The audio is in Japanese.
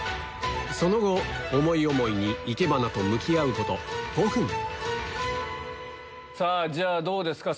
その後思い思いに生け花と向き合うこと５分どうですか？